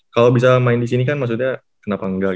kalo bisa main disini kan maksudnya kenapa enggak